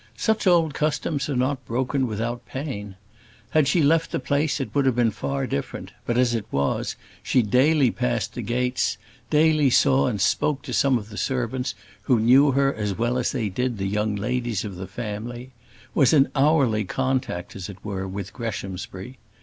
Such old customs are not broken without pain. Had she left the place it would have been far different; but, as it was, she daily passed the gates, daily saw and spoke to some of the servants, who knew her as well as they did the young ladies of the family was in hourly contact, as it were, with Greshamsbury.